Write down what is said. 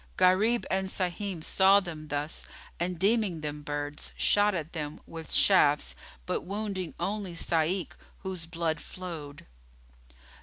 Gharib and Sahim saw them thus and deeming them birds, shot at them with shafts but wounding only Sa'ik whose blood flowed.